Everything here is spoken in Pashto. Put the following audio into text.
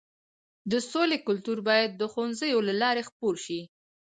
د سولې کلتور باید د ښوونځیو له لارې خپور شي.